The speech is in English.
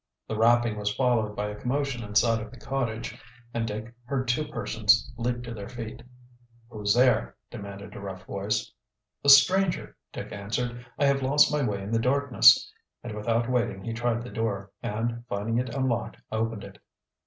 The rapping was followed by a commotion inside of the cottage and Dick heard two persons leap to their feet. "Who's there?" demanded a rough voice. "A stranger," Dick answered. "I have lost my way in the darkness," and without waiting he tried the door, and finding it unlocked, opened it.